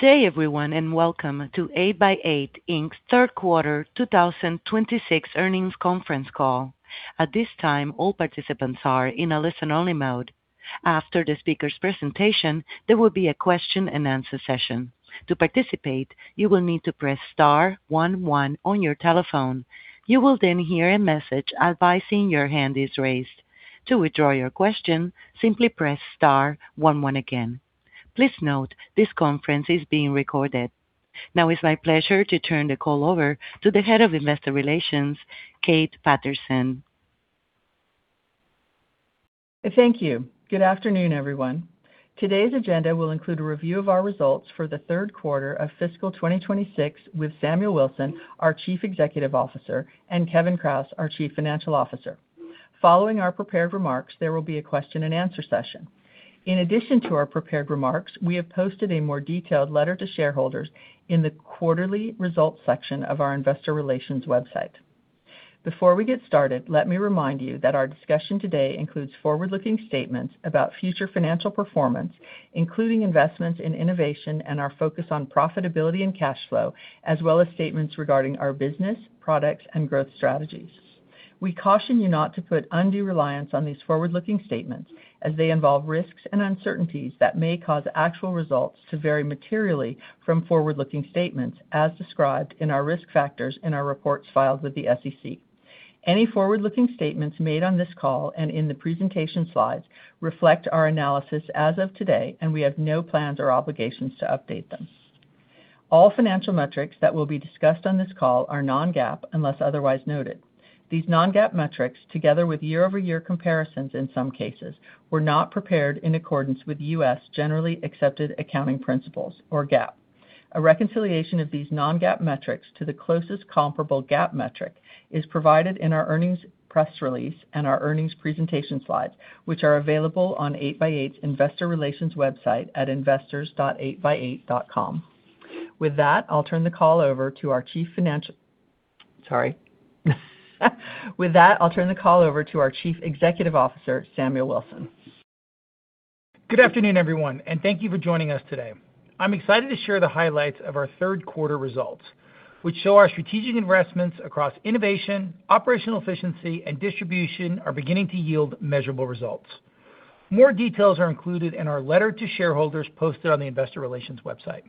Good day, everyone, and welcome to 8x8 Inc's third quarter 2026 Earnings Conference Call. At this time, all participants are in a listen-only mode. After the speaker's presentation, there will be a question-and-answer session. To participate, you will need to press star one one on your telephone. You will then hear a message advising your hand is raised. To withdraw your question, simply press star one one again. Please note, this conference is being recorded. Now it's my pleasure to turn the call over to the Head of Investor Relations, Kate Patterson. Thank you. Good afternoon, everyone. Today's agenda will include a review of our results for the third quarter of fiscal 2026 with Samuel Wilson, our Chief Executive Officer, and Kevin Kraus, our Chief Financial Officer. Following our prepared remarks, there will be a question-and-answer session. In addition to our prepared remarks, we have posted a more detailed letter to shareholders in the quarterly results section of our investor relations website. Before we get started, let me remind you that our discussion today includes forward-looking statements about future financial performance, including investments in innovation and our focus on profitability and cash flow, as well as statements regarding our business, products, and growth strategies. We caution you not to put undue reliance on these forward-looking statements as they involve risks and uncertainties that may cause actual results to vary materially from forward-looking statements as described in our risk factors in our reports filed with the SEC. Any forward-looking statements made on this call and in the presentation slides reflect our analysis as of today, and we have no plans or obligations to update them. All financial metrics that will be discussed on this call are non-GAAP, unless otherwise noted. These non-GAAP metrics, together with year-over-year comparisons in some cases, were not prepared in accordance with U.S. generally accepted accounting principles, or GAAP. A reconciliation of these non-GAAP metrics to the closest comparable GAAP metric is provided in our earnings press release and our earnings presentation slides, which are available on 8x8's investor relations website at investors.8x8.com. With that, I'll turn the call over to our Chief Financial... Sorry. With that, I'll turn the call over to our Chief Executive Officer, Samuel Wilson. Good afternoon, everyone, and thank you for joining us today. I'm excited to share the highlights of our third quarter results, which show our strategic investments across innovation, operational efficiency, and distribution are beginning to yield measurable results. More details are included in our letter to shareholders posted on the investor relations website.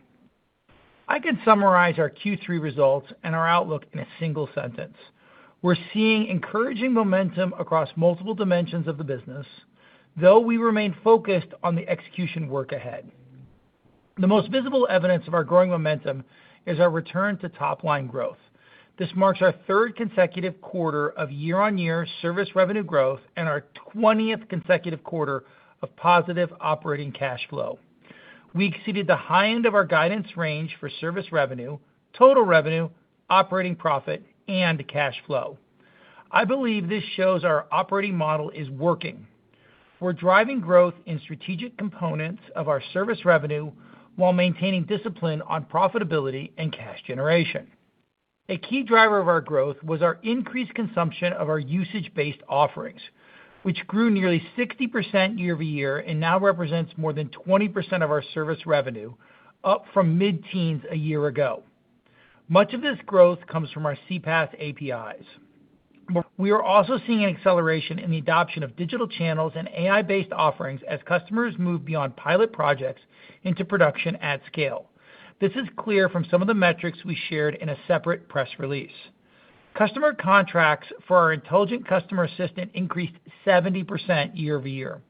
I can summarize our Q3 results and our outlook in a single sentence: We're seeing encouraging momentum across multiple dimensions of the business, though we remain focused on the execution work ahead. The most visible evidence of our growing momentum is our return to top-line growth. This marks our third consecutive quarter of year-on-year service revenue growth and our 20th consecutive quarter of positive operating cash flow. We exceeded the high end of our guidance range for service revenue, total revenue, operating profit, and cash flow. I believe this shows our operating model is working. We're driving growth in strategic components of our service revenue while maintaining discipline on profitability and cash generation. A key driver of our growth was our increased consumption of our usage-based offerings, which grew nearly 60% year-over-year and now represents more than 20% of our service revenue, up from mid-teens a year ago. Much of this growth comes from our CPaaS APIs. We are also seeing an acceleration in the adoption of digital channels and AI-based offerings as customers move beyond pilot projects into production at scale. This is clear from some of the metrics we shared in a separate press release. Customer contracts for our Intelligent Customer Assistant increased 70% year-over-year.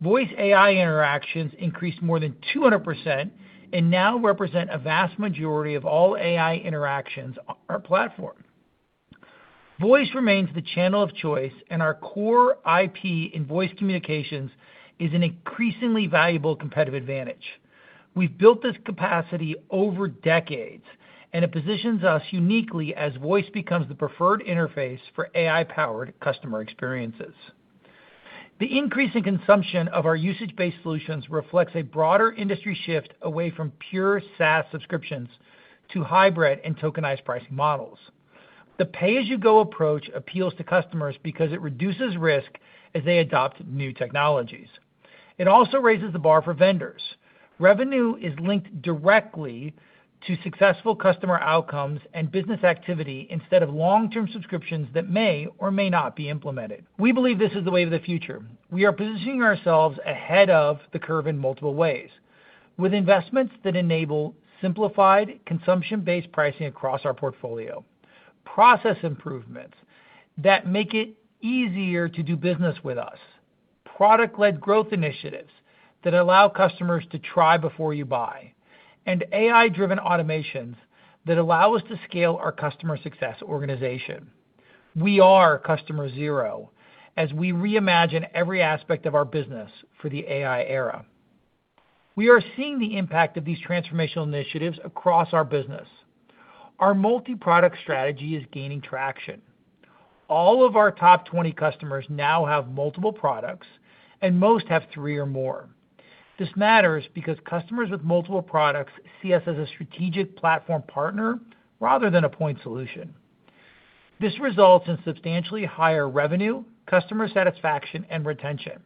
Voice AI interactions increased more than 200% and now represent a vast majority of all AI interactions on our platform. Voice remains the channel of choice, and our core IP in voice communications is an increasingly valuable competitive advantage. We've built this capacity over decades, and it positions us uniquely as voice becomes the preferred interface for AI-powered customer experiences. The increase in consumption of our usage-based solutions reflects a broader industry shift away from pure SaaS subscriptions to hybrid and tokenized pricing models. The pay-as-you-go approach appeals to customers because it reduces risk as they adopt new technologies. It also raises the bar for vendors. Revenue is linked directly to successful customer outcomes and business activity instead of long-term subscriptions that may or may not be implemented. We believe this is the way of the future. We are positioning ourselves ahead of the curve in multiple ways, with investments that enable simplified, consumption-based pricing across our portfolio, process improvements that make it easier to do business with us, product-led growth initiatives that allow customers to try before you buy, and AI-driven automations that allow us to scale our customer success organization. We are customer zero as we reimagine every aspect of our business for the AI era. We are seeing the impact of these transformational initiatives across our business. Our multi-product strategy is gaining traction. All of our top 20 customers now have multiple products, and most have three or more. This matters because customers with multiple products see us as a strategic platform partner rather than a point solution.... This results in substantially higher revenue, customer satisfaction, and retention.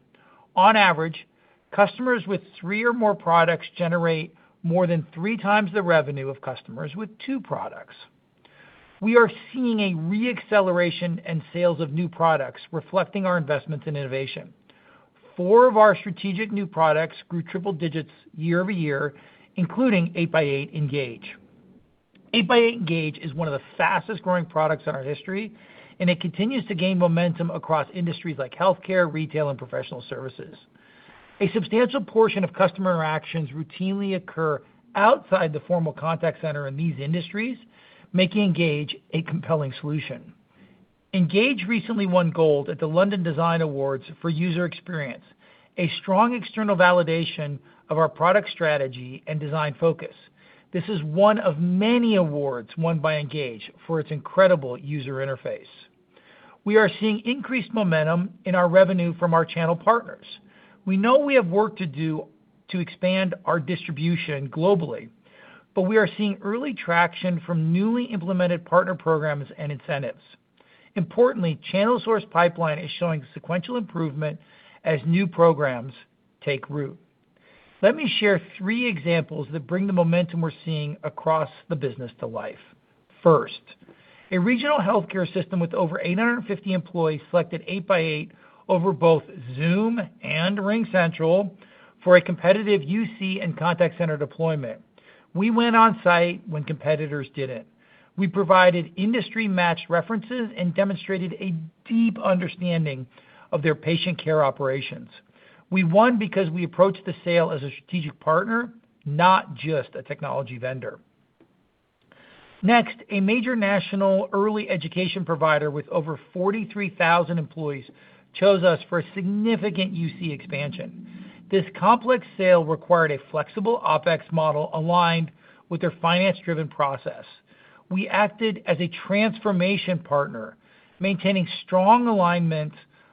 On average, customers with three or more products generate more than three times the revenue of customers with two products. We are seeing a re-acceleration in sales of new products, reflecting our investments in innovation. Four of our strategic new products grew triple digits year-over-year, including 8x8 Engage. 8x8 Engage is one of the fastest-growing products in our history, and it continues to gain momentum across industries like healthcare, retail, and professional services. A substantial portion of customer interactions routinely occur outside the formal contact center in these industries, making Engage a compelling solution. Engage recently won gold at the London Design Awards for User Experience, a strong external validation of our product strategy and design focus. This is one of many awards won by Engage for its incredible user interface. We are seeing increased momentum in our revenue from our channel partners. We know we have work to do to expand our distribution globally, but we are seeing early traction from newly implemented partner programs and incentives. Importantly, channel source pipeline is showing sequential improvement as new programs take root. Let me share three examples that bring the momentum we're seeing across the business to life. First, a regional healthcare system with over 850 employees selected 8x8 over both Zoom and RingCentral for a competitive UC and contact center deployment. We went on site when competitors didn't. We provided industry-matched references and demonstrated a deep understanding of their patient care operations. We won because we approached the sale as a strategic partner, not just a technology vendor. Next, a major national early education provider with over 43,000 employees chose us for a significant UC expansion. This complex sale required a flexible OpEx model aligned with their finance-driven process. We acted as a transformation partner, maintaining strong alignment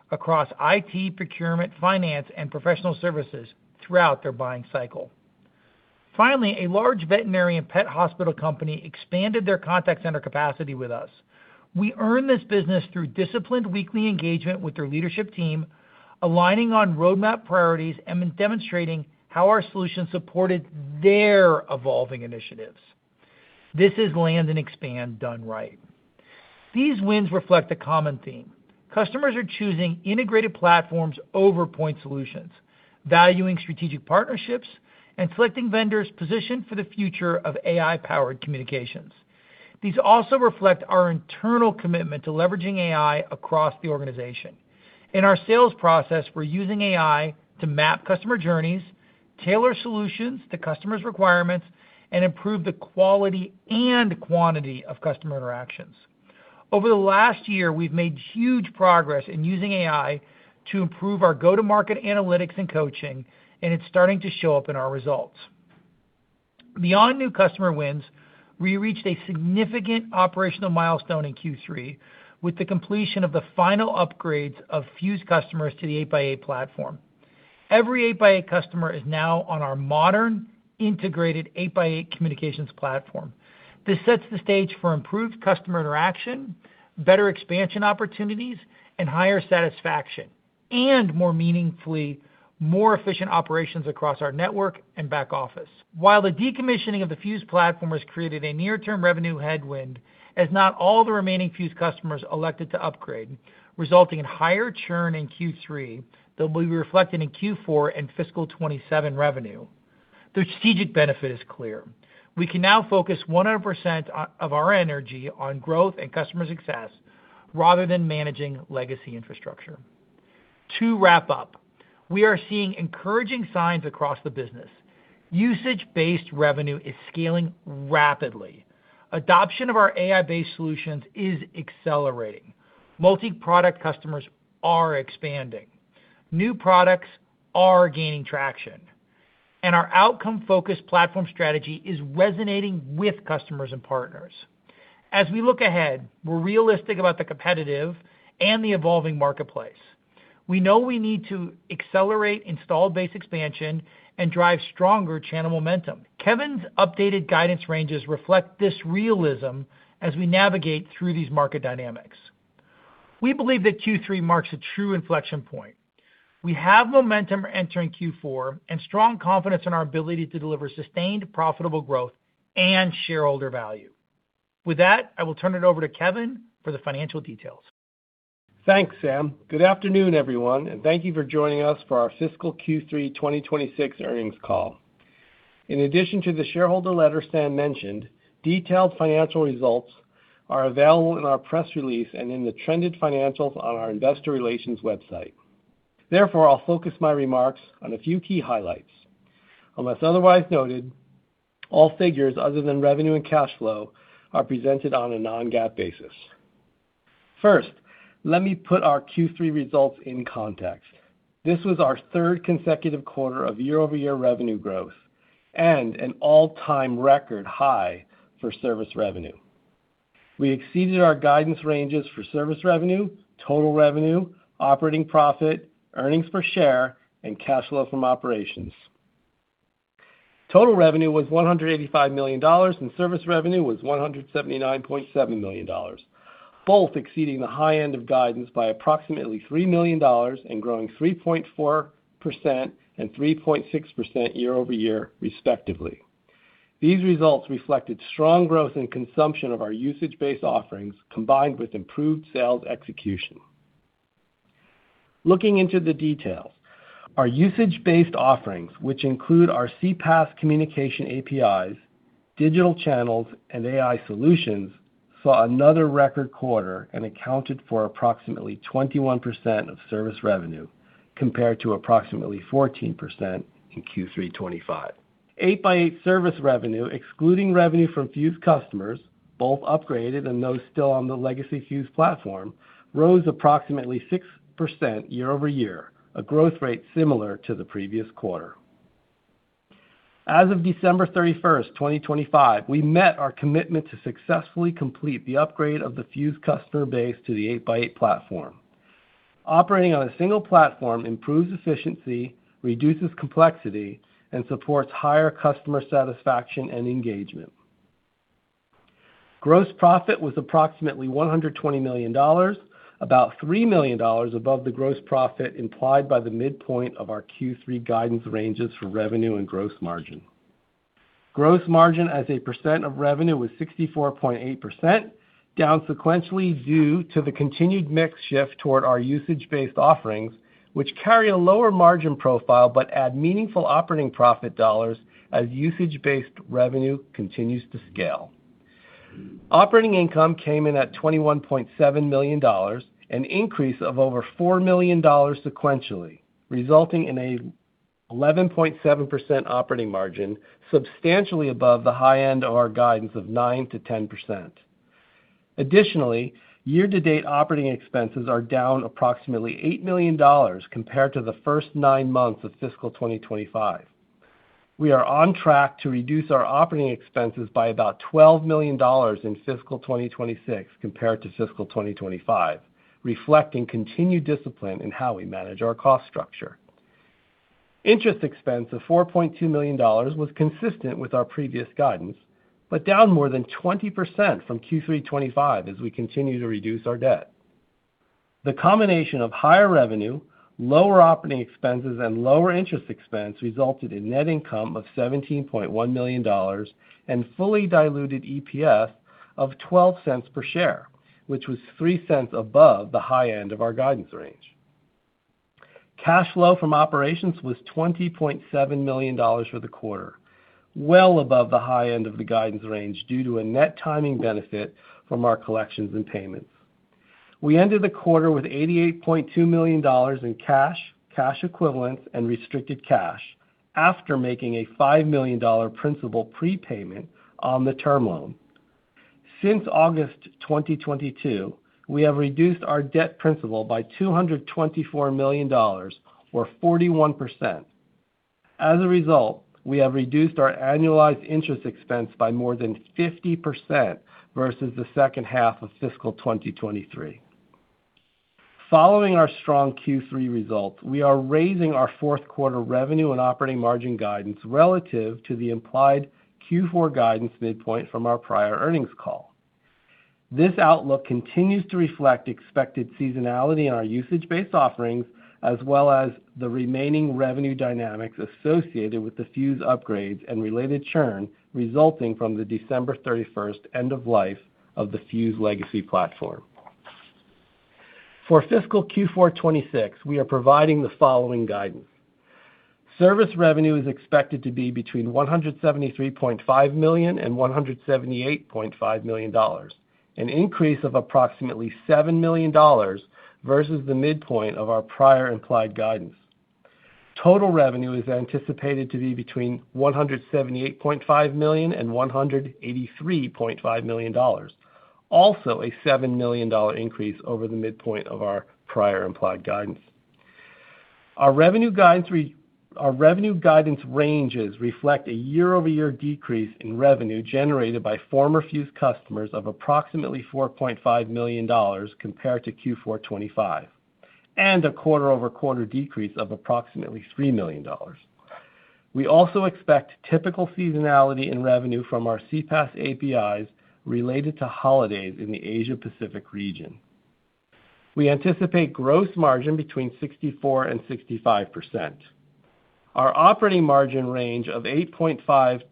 across IT, procurement, finance, and professional services throughout their buying cycle. Finally, a large veterinarian pet hospital company expanded their contact center capacity with us. We earned this business through disciplined weekly engagement with their leadership team, aligning on roadmap priorities, and then demonstrating how our solutions supported their evolving initiatives. This is land and expand done right. These wins reflect a common theme. Customers are choosing integrated platforms over point solutions, valuing strategic partnerships, and selecting vendors positioned for the future of AI-powered communications. These also reflect our internal commitment to leveraging AI across the organization. In our sales process, we're using AI to map customer journeys, tailor solutions to customers' requirements, and improve the quality and quantity of customer interactions. Over the last year, we've made huge progress in using AI to improve our go-to-market analytics and coaching, and it's starting to show up in our results. Beyond new customer wins, we reached a significant operational milestone in Q3 with the completion of the final upgrades of Fuze customers to the 8x8 platform. Every 8x8 customer is now on our modern, integrated 8x8 communications platform. This sets the stage for improved customer interaction, better expansion opportunities, and higher satisfaction, and more meaningfully, more efficient operations across our network and back office. While the decommissioning of the Fuze platform has created a near-term revenue headwind, as not all the remaining Fuze customers elected to upgrade, resulting in higher churn in Q3 that will be reflected in Q4 and fiscal 2027 revenue, the strategic benefit is clear. We can now focus 100% of our energy on growth and customer success rather than managing legacy infrastructure. To wrap up, we are seeing encouraging signs across the business. Usage-based revenue is scaling rapidly. Adoption of our AI-based solutions is accelerating. Multi-product customers are expanding. New products are gaining traction, and our outcome-focused platform strategy is resonating with customers and partners. As we look ahead, we're realistic about the competitive and the evolving marketplace. We know we need to accelerate installed base expansion and drive stronger channel momentum. Kevin's updated guidance ranges reflect this realism as we navigate through these market dynamics. We believe that Q3 marks a true inflection point. We have momentum entering Q4, and strong confidence in our ability to deliver sustained, profitable growth and shareholder value. With that, I will turn it over to Kevin for the financial details. Thanks, Sam. Good afternoon, everyone, and thank you for joining us for our Fiscal Q3 2026 Earnings Call. In addition to the shareholder letter Sam mentioned, detailed financial results are available in our press release and in the trended financials on our investor relations website. Therefore, I'll focus my remarks on a few key highlights. Unless otherwise noted, all figures other than revenue and cash flow are presented on a non-GAAP basis. First, let me put our Q3 results in context. This was our third consecutive quarter of year-over-year revenue growth and an all-time record high for service revenue. We exceeded our guidance ranges for service revenue, total revenue, operating profit, earnings per share, and cash flow from operations.... Total revenue was $185 million, and service revenue was $179.7 million, both exceeding the high end of guidance by approximately $3 million and growing 3.4% and 3.6% year-over-year, respectively. These results reflected strong growth in consumption of our usage-based offerings, combined with improved sales execution. Looking into the details, our usage-based offerings, which include our CPaaS communication APIs, digital channels, and AI solutions, saw another record quarter and accounted for approximately 21% of service revenue, compared to approximately 14% in Q3 2025. 8x8 service revenue, excluding revenue from Fuze customers, both upgraded and those still on the legacy Fuze platform, rose approximately 6% year-over-year, a growth rate similar to the previous quarter. As of December 31st, 2025, we met our commitment to successfully complete the upgrade of the Fuze customer base to the 8x8 platform. Operating on a single platform improves efficiency, reduces complexity, and supports higher customer satisfaction and engagement. Gross profit was approximately $120 million, about $3 million above the gross profit implied by the midpoint of our Q3 guidance ranges for revenue and gross margin. Gross margin as a percent of revenue was 64.8%, down sequentially due to the continued mix shift toward our usage-based offerings, which carry a lower margin profile but add meaningful operating profit dollars as usage-based revenue continues to scale. Operating income came in at $21.7 million, an increase of over $4 million sequentially, resulting in a 11.7% operating margin, substantially above the high end of our guidance of 9%-10%. Additionally, year-to-date operating expenses are down approximately $8 million compared to the first nine months of fiscal 2025. We are on track to reduce our operating expenses by about $12 million in fiscal 2026 compared to fiscal 2025, reflecting continued discipline in how we manage our cost structure. Interest expense of $4.2 million was consistent with our previous guidance, but down more than 20% from Q3 2025 as we continue to reduce our debt. The combination of higher revenue, lower operating expenses, and lower interest expense resulted in net income of $17.1 million and fully diluted EPS of $0.12 per share, which was $0.03 above the high end of our guidance range. Cash flow from operations was $20.7 million for the quarter, well above the high end of the guidance range, due to a net timing benefit from our collections and payments. We ended the quarter with $88.2 million in cash, cash equivalents, and restricted cash, after making a $5 million principal prepayment on the term loan. Since August 2022, we have reduced our debt principal by $224 million, or 41%. As a result, we have reduced our annualized interest expense by more than 50% versus the second half of fiscal 2023. Following our strong Q3 results, we are raising our fourth quarter revenue and operating margin guidance relative to the implied Q4 guidance midpoint from our prior earnings call. This outlook continues to reflect expected seasonality in our usage-based offerings, as well as the remaining revenue dynamics associated with the Fuze upgrades and related churn resulting from the December 31st end of life of the Fuze legacy platform. For fiscal Q4 2026, we are providing the following guidance. Service revenue is expected to be between $173.5 million and $178.5 million, an increase of approximately $7 million versus the midpoint of our prior implied guidance. Total revenue is anticipated to be between $178.5 million and $183.5 million, also a $7 million increase over the midpoint of our prior implied guidance. Our revenue guidance ranges reflect a year-over-year decrease in revenue generated by former Fuze customers of approximately $4.5 million compared to Q4 2025, and a quarter-over-quarter decrease of approximately $3 million. We also expect typical seasonality in revenue from our CPaaS APIs related to holidays in the Asia-Pacific region. We anticipate gross margin between 64% and 65%. Our operating margin range of 8.5%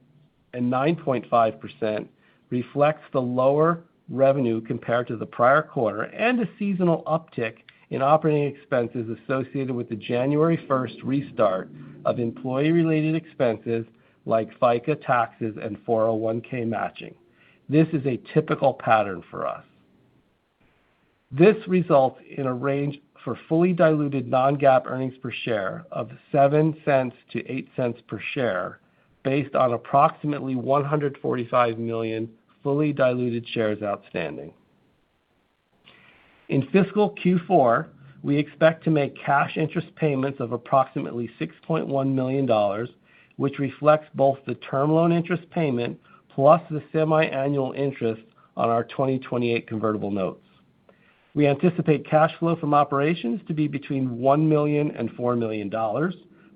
and 9.5% reflects the lower revenue compared to the prior quarter and a seasonal uptick in operating expenses associated with the January 1st restart of employee-related expenses like FICA taxes and 401(k) matching. This is a typical pattern for us. This results in a range for fully diluted non-GAAP earnings per share of $0.07-$0.08 per share, based on approximately 145 million fully diluted shares outstanding. In fiscal Q4, we expect to make cash interest payments of approximately $6.1 million, which reflects both the term loan interest payment plus the semiannual interest on our 2028 convertible notes. We anticipate cash flow from operations to be between $1 million and $4 million,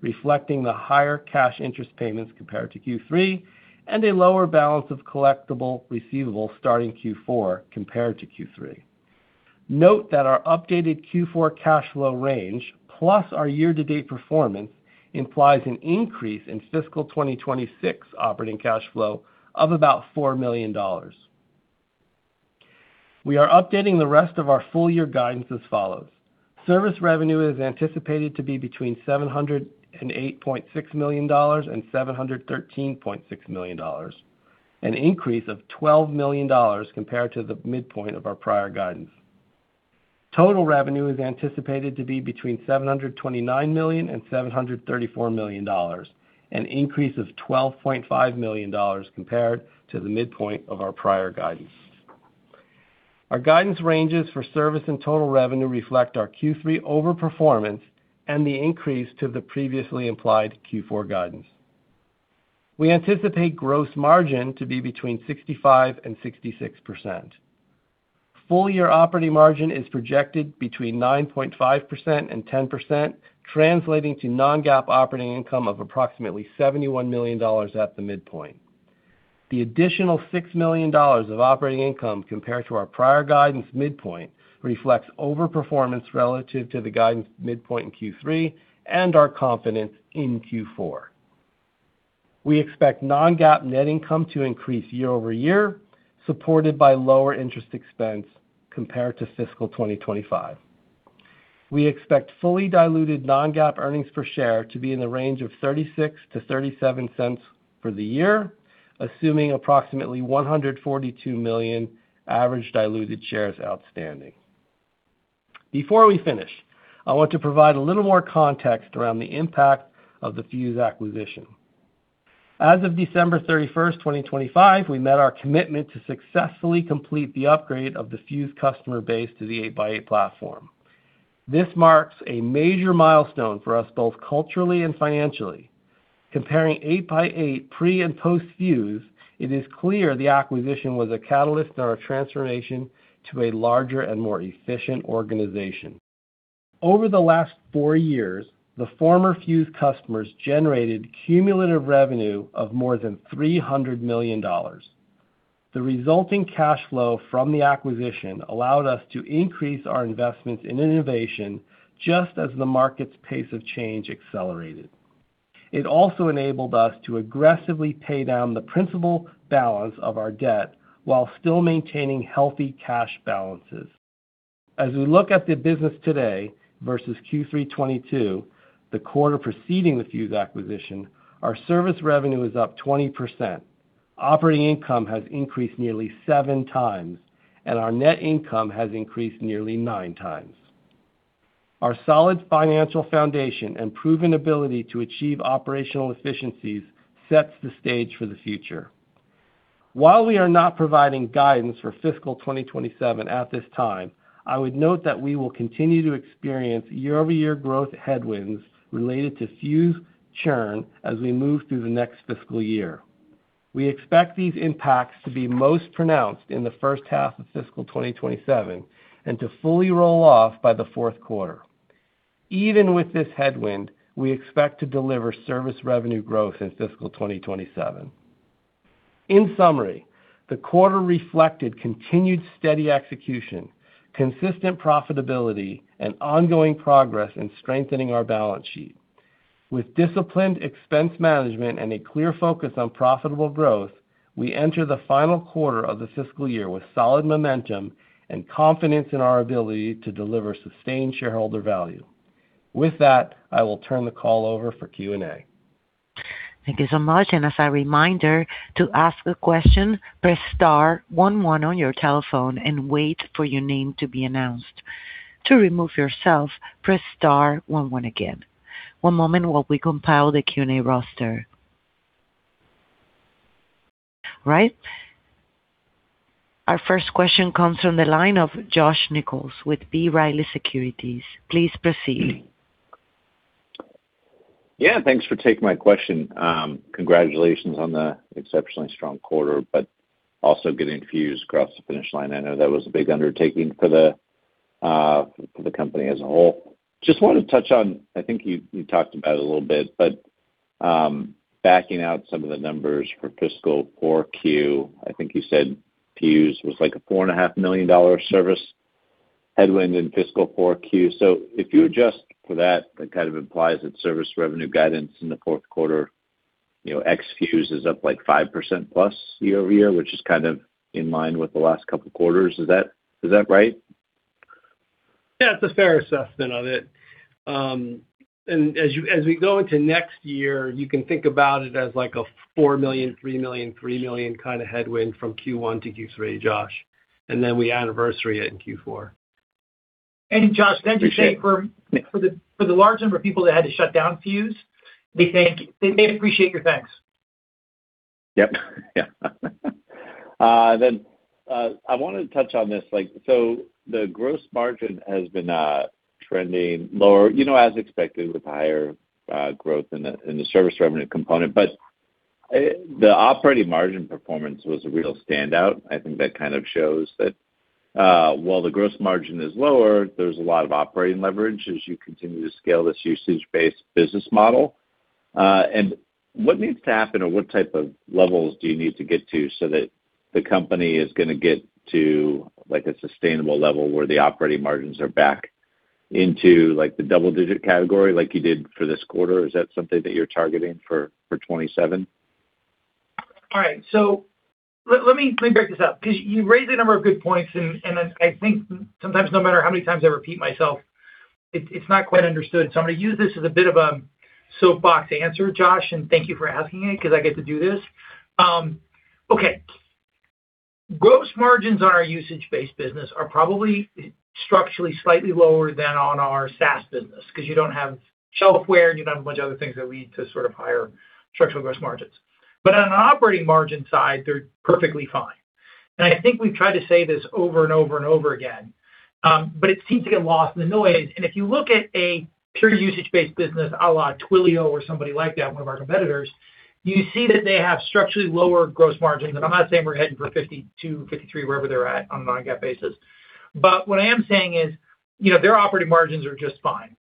reflecting the higher cash interest payments compared to Q3, and a lower balance of collectible receivables starting Q4 compared to Q3. Note that our updated Q4 cash flow range, plus our year-to-date performance, implies an increase in fiscal 2026 operating cash flow of about $4 million. We are updating the rest of our full year guidance as follows: service revenue is anticipated to be between $708.6 million and $713.6 million, an increase of $12 million compared to the midpoint of our prior guidance. Total revenue is anticipated to be between $729 million and $734 million, an increase of $12.5 million compared to the midpoint of our prior guidance. Our guidance ranges for service and total revenue reflect our Q3 overperformance and the increase to the previously implied Q4 guidance. We anticipate gross margin to be between 65% and 66%. Full year operating margin is projected between 9.5% and 10%, translating to non-GAAP operating income of approximately $71 million at the midpoint. The additional $6 million of operating income compared to our prior guidance midpoint reflects overperformance relative to the guidance midpoint in Q3 and our confidence in Q4. We expect non-GAAP net income to increase year-over-year, supported by lower interest expense compared to fiscal 2025. We expect fully diluted non-GAAP earnings per share to be in the range of $0.36-$0.37 for the year, assuming approximately 142 million average diluted shares outstanding. Before we finish, I want to provide a little more context around the impact of the Fuze acquisition. As of December 31, 2025, we met our commitment to successfully complete the upgrade of the Fuze customer base to the 8x8 platform. This marks a major milestone for us, both culturally and financially. Comparing 8x8 pre- and post-Fuze, it is clear the acquisition was a catalyst in our transformation to a larger and more efficient organization. Over the last four years, the former Fuze customers generated cumulative revenue of more than $300 million. The resulting cash flow from the acquisition allowed us to increase our investments in innovation, just as the market's pace of change accelerated. It also enabled us to aggressively pay down the principal balance of our debt while still maintaining healthy cash balances. As we look at the business today versus Q3 2022, the quarter preceding the Fuze acquisition, our service revenue is up 20%. Operating income has increased nearly 7x, and our net income has increased nearly 9x. Our solid financial foundation and proven ability to achieve operational efficiencies sets the stage for the future. While we are not providing guidance for fiscal 2027 at this time, I would note that we will continue to experience year-over-year growth headwinds related to Fuze churn as we move through the next fiscal year. We expect these impacts to be most pronounced in the first half of fiscal 2027 and to fully roll off by the fourth quarter. Even with this headwind, we expect to deliver service revenue growth in fiscal 2027. In summary, the quarter reflected continued steady execution, consistent profitability, and ongoing progress in strengthening our balance sheet. With disciplined expense management and a clear focus on profitable growth, we enter the final quarter of the fiscal year with solid momentum and confidence in our ability to deliver sustained shareholder value. With that, I will turn the call over for Q&A. Thank you so much, and as a reminder, to ask a question, press star one one on your telephone and wait for your name to be announced. To remove yourself, press star one one again. One moment while we compile the Q&A roster. All right. Our first question comes from the line of Josh Nichols with B. Riley Securities. Please proceed. Yeah, thanks for taking my question. Congratulations on the exceptionally strong quarter, but also getting Fuze across the finish line. I know that was a big undertaking for the, for the company as a whole. Just wanted to touch on, I think you, you talked about it a little bit, but, backing out some of the numbers for fiscal 4Q, I think you said Fuze was like a $4.5 million service headwind in fiscal 4Q. So if you adjust for that, that kind of implies that service revenue guidance in the fourth quarter, you know, ex-Fuze, is up, like, 5%+ year-over-year, which is kind of in line with the last couple of quarters. Is that, is that right? Yeah, it's a fair assessment of it. And as we go into next year, you can think about it as like a $4 million, $3 million, $3 million kind of headwind from Q1 to Q3, Josh, and then we anniversary it in Q4. Josh, then to say for the large number of people that had to shut down Fuze, they may appreciate your thanks. Yep. Yeah. Then, I wanted to touch on this, like, so the gross margin has been trending lower, you know, as expected, with higher growth in the service revenue component. The operating margin performance was a real standout. I think that kind of shows that, while the gross margin is lower, there's a lot of operating leverage as you continue to scale this usage-based business model. And what needs to happen or what type of levels do you need to get to so that the company is gonna get to, like, a sustainable level where the operating margins are back into, like, the double digit category, like you did for this quarter? Is that something that you're targeting for 2027? All right, so let me back this up, 'cause you raised a number of good points, and I think sometimes, no matter how many times I repeat myself, it's not quite understood. So I'm gonna use this as a bit of a soapbox answer, Josh, and thank you for asking it, 'cause I get to do this. Okay. Gross margins on our usage-based business are probably structurally slightly lower than on our SaaS business, 'cause you don't have shelfware, you don't have a bunch of other things that lead to sort of higher structural gross margins. But on an operating margin side, they're perfectly fine. And I think we've tried to say this over and over and over again, but it seems to get lost in the noise. If you look at a pure usage-based business, a la Twilio or somebody like that, one of our competitors, you see that they have structurally lower gross margins, and I'm not saying we're heading for 52, 53, wherever they're at on a non-GAAP basis. But what I am saying is, you know, their operating margins are just fine.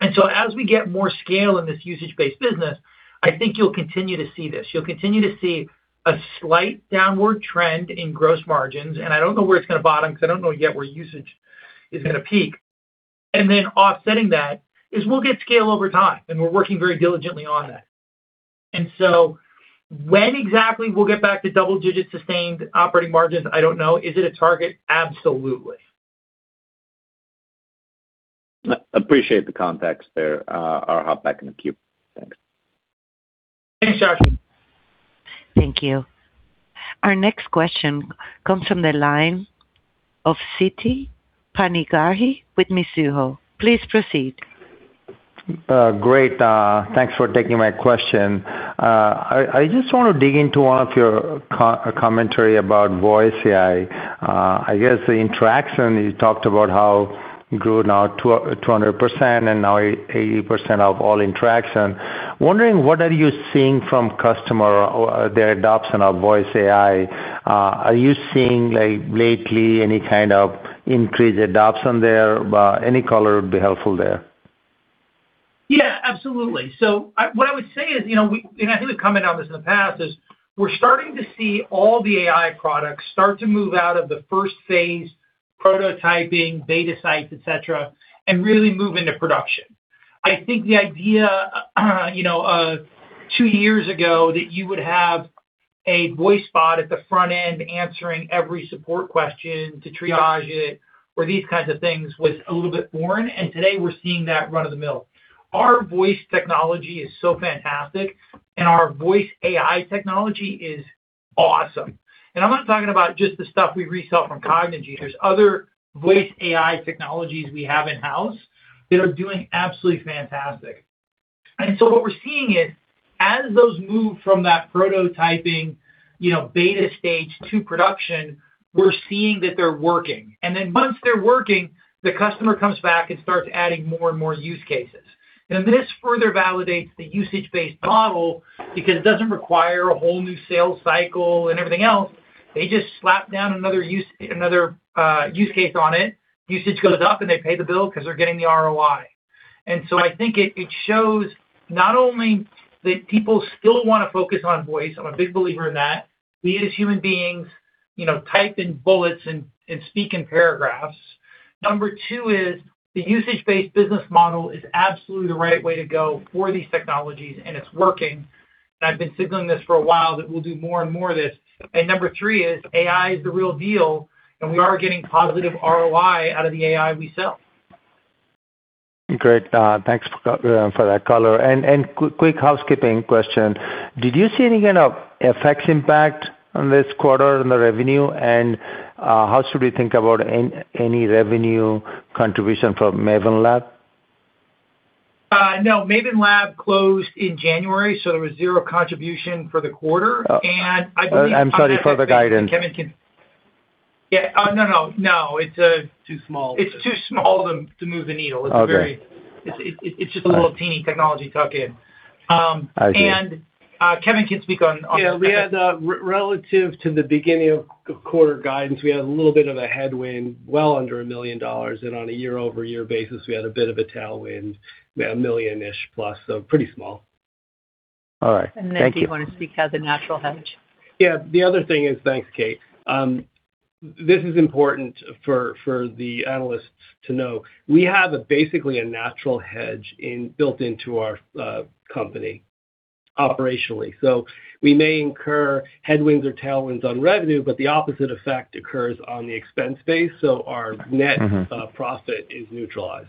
And so as we get more scale in this usage-based business, I think you'll continue to see this. You'll continue to see a slight downward trend in gross margins, and I don't know where it's gonna bottom, because I don't know yet where usage is gonna peak. And then offsetting that, is we'll get scale over time, and we're working very diligently on that. And so when exactly we'll get back to double-digit sustained operating margins? I don't know. Is it a target? Absolutely. I appreciate the context there. I'll hop back in the queue. Thanks. Thanks, Josh. Thank you. Our next question comes from the line of Siti Panigrahi with Mizuho. Please proceed. Great. Thanks for taking my question. I just want to dig into one of your commentary about voice AI. I guess the interaction, you talked about how it grew now 200% and now 80% of all interaction. Wondering, what are you seeing from customer or their adoption of voice AI? Are you seeing, like, lately any kind of increased adoption there? Any color would be helpful there. Yeah, absolutely. So, what I would say is, you know, we, and I think we've commented on this in the past, is we're starting to see all the AI products start to move out of the first phase, prototyping, beta sites, et cetera, and really move into production. I think the idea, you know, of two years ago, that you would have a voice bot at the front end answering every support question to triage it or these kinds of things, was a little bit foreign, and today we're seeing that run-of-the-mill. Our voice technology is so fantastic, and our voice AI technology is awesome. And I'm not talking about just the stuff we resell from Cognigy. There's other voice AI technologies we have in-house that are doing absolutely fantastic. And so what we're seeing is, as those move from that prototyping, you know, beta stage to production, we're seeing that they're working. And then once they're working, the customer comes back and starts adding more and more use cases. And this further validates the usage-based model, because it doesn't require a whole new sales cycle and everything else. They just slap down another use, another use case on it. Usage goes up, and they pay the bill because they're getting the ROI. And so I think it, it shows not only that people still wanna focus on voice, I'm a big believer in that. We, as human beings, you know, type in bullets and, and speak in paragraphs. Number two is, the usage-based business model is absolutely the right way to go for these technologies, and it's working. I've been signaling this for a while, that we'll do more and more of this. Number three is, AI is the real deal, and we are getting positive ROI out of the AI we sell. Great. Thanks for that color. And quick housekeeping question: Did you see any kind of effects impact on this quarter on the revenue? And, how should we think about any revenue contribution from Maven Lab? No. Maven Lab closed in January, so there was zero contribution for the quarter. Oh. I believe- I'm sorry for the guidance. Kevin can... Yeah. No, no, no. It's, Too small. It's too small to move the needle. Okay. It's, it, it's just a little teeny technology tuck-in. I see. And, Kevin can speak on. Yeah, we had relative to the beginning of quarter guidance, we had a little bit of a headwind, well under $1 million. And on a year-over-year basis, we had a bit of a tailwind. We had $1 million-ish plus, so pretty small. All right. Thank you. Do you wanna speak as a natural hedge? Yeah, the other thing is... Thanks, Kate. This is important for, for the analysts to know. We have basically a natural hedge in-built into our company operationally. So we may incur headwinds or tailwinds on revenue, but the opposite effect occurs on the expense base, so our net- Mm-hmm.... Profit is neutralized.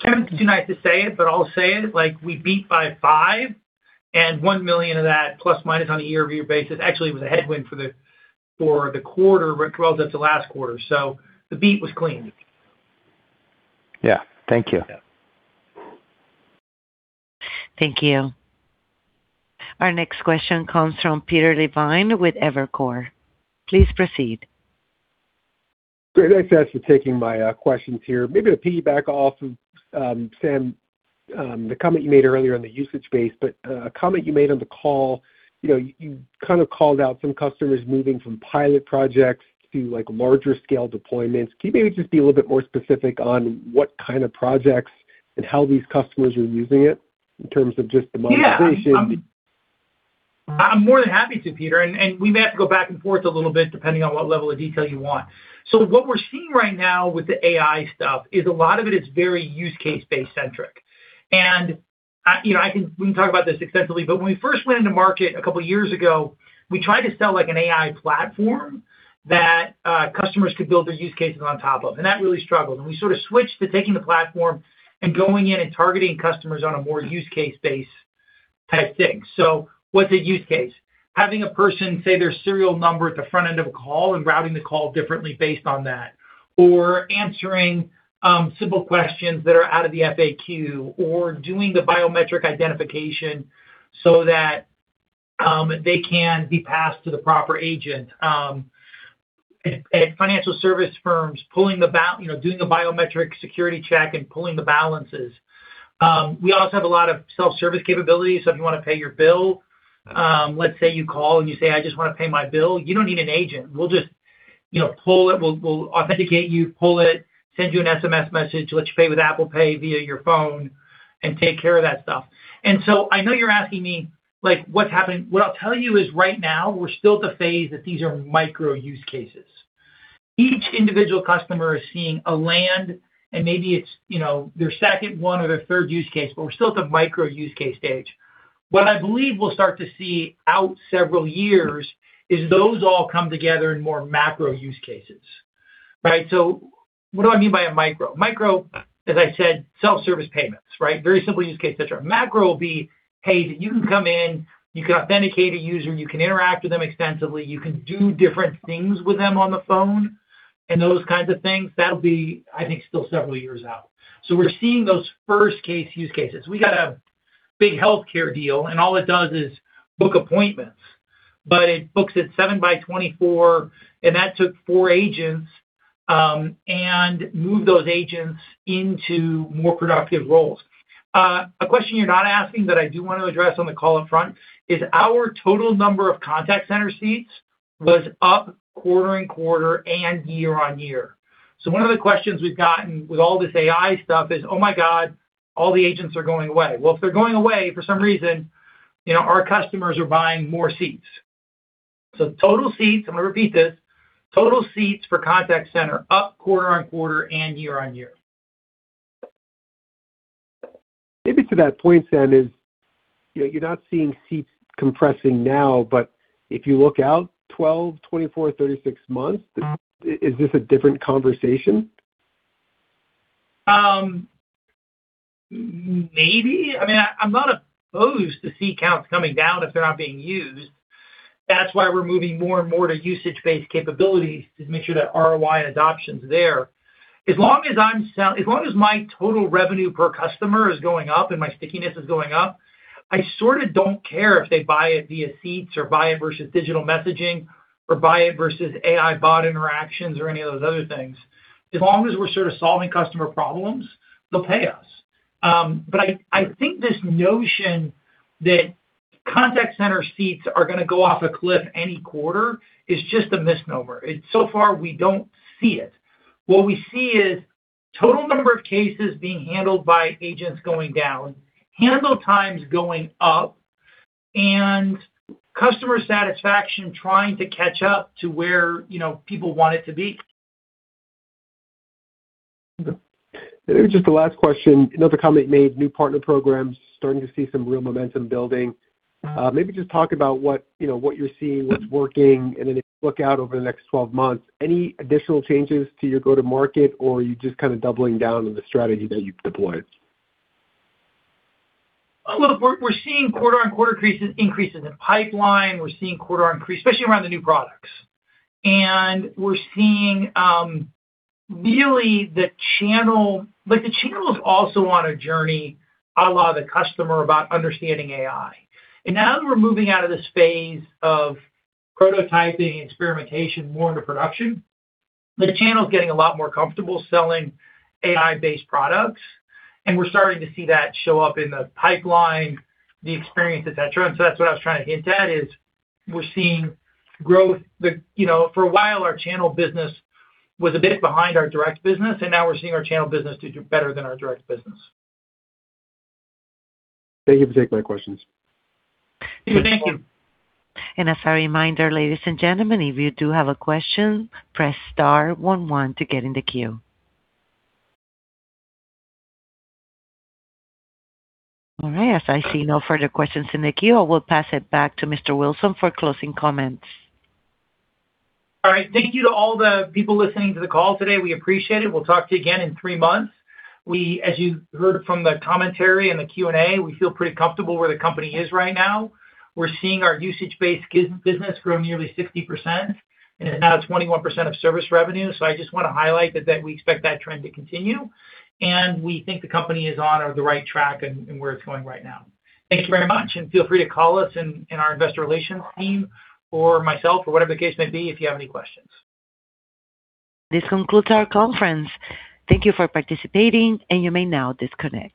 Kevin, you're nice to say it, but I'll say it, like, we beat by $5 million, and $1 million of that plus-minus on a year-over-year basis actually was a headwind for the quarter, but relative to last quarter, so the beat was clean. Yeah. Thank you. Yeah. Thank you. Our next question comes from Peter Levine with Evercore. Please proceed. ... Great. Thanks for taking my questions here. Maybe to piggyback off of Sam, the comment you made earlier on the usage-based, but a comment you made on the call, you know, you kind of called out some customers moving from pilot projects to, like, larger scale deployments. Can you maybe just be a little bit more specific on what kind of projects and how these customers are using it in terms of just the monetization? Yeah. I'm more than happy to, Peter, and we may have to go back and forth a little bit, depending on what level of detail you want. So what we're seeing right now with the AI stuff is a lot of it is very use case-based centric. And you know, we can talk about this extensively, but when we first went into market a couple of years ago, we tried to sell, like, an AI platform that customers could build their use cases on top of, and that really struggled. And we sort of switched to taking the platform and going in and targeting customers on a more use case base type thing. So what's a use case? Having a person say their serial number at the front end of a call and routing the call differently based on that, or answering simple questions that are out of the FAQ, or doing the biometric identification so that they can be passed to the proper agent. At financial service firms, you know, doing a biometric security check and pulling the balances. We also have a lot of self-service capabilities, so if you wanna pay your bill, let's say you call and you say, "I just wanna pay my bill," you don't need an agent. We'll just, you know, pull it. We'll authenticate you, pull it, send you an SMS message, let you pay with Apple Pay via your phone and take care of that stuff. And so I know you're asking me, like, what's happening? What I'll tell you is, right now, we're still at the phase that these are micro use cases. Each individual customer is seeing a land, and maybe it's, you know, their second one or their third use case, but we're still at the micro use case stage. What I believe we'll start to see out several years is those all come together in more macro use cases, right? So what do I mean by a micro? Micro, as I said, self-service payments, right? Very simple use case, et cetera. Macro will be, hey, you can come in, you can authenticate a user, you can interact with them extensively, you can do different things with them on the phone and those kinds of things. That'll be, I think, still several years out. So we're seeing those first case use cases. We got a big healthcare deal, and all it does is book appointments, but it books it 24/7, and that took four agents and moved those agents into more productive roles. A question you're not asking, but I do want to address on the call up front, is our total number of contact center seats was up quarter-over-quarter and year-over-year. So one of the questions we've gotten with all this AI stuff is, "Oh, my God, all the agents are going away." Well, if they're going away for some reason, you know, our customers are buying more seats. So total seats, I'm gonna repeat this, total seats for contact center, up quarter-over-quarter and year-over-year. Maybe to that point, Sam, is, you know, you're not seeing seats compressing now, but if you look out 12, 24, 36 months, is this a different conversation? Maybe. I mean, I'm not opposed to seat counts coming down if they're not being used. That's why we're moving more and more to usage-based capabilities, to make sure that ROI adoption's there. As long as my total revenue per customer is going up and my stickiness is going up, I sort of don't care if they buy it via seats or buy it versus digital messaging or buy it versus AI bot interactions or any of those other things. As long as we're sort of solving customer problems, they'll pay us. But I think this notion that contact center seats are gonna go off a cliff any quarter is just a misnomer. It's. So far, we don't see it. What we see is total number of cases being handled by agents going down, handle times going up, and customer satisfaction trying to catch up to where, you know, people want it to be. Maybe just the last question. Another comment made, new partner programs, starting to see some real momentum building. Maybe just talk about what, you know, what you're seeing, what's working, and then if you look out over the next twelve months, any additional changes to your go-to market, or are you just kind of doubling down on the strategy that you've deployed? Look, we're seeing quarter-on-quarter increases in pipeline. We're seeing quarter-on-quarter increase, especially around the new products. And we're seeing really the channel. But the channel is also on a journey, a lot of the customer about understanding AI. And now that we're moving out of this phase of prototyping experimentation more into production, the channel is getting a lot more comfortable selling AI-based products, and we're starting to see that show up in the pipeline, the experience, et cetera. And so that's what I was trying to hint at, is we're seeing growth. You know, for a while, our channel business was a bit behind our direct business, and now we're seeing our channel business to do better than our direct business. Thank you for taking my questions. Thank you. As a reminder, ladies and gentlemen, if you do have a question, press star one one to get in the queue. All right, as I see no further questions in the queue, I will pass it back to Mr. Wilson for closing comments. All right. Thank you to all the people listening to the call today. We appreciate it. We'll talk to you again in three months. As you heard from the commentary and the Q&A, we feel pretty comfortable where the company is right now. We're seeing our usage-based business grow nearly 60% and now 21% of service revenue. So I just wanna highlight that, that we expect that trend to continue, and we think the company is on the right track and where it's going right now. Thank you very much, and feel free to call us in our investor relations team or myself or whatever the case may be, if you have any questions. This concludes our conference. Thank you for participating, and you may now disconnect.